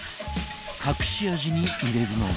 隠し味に入れるのが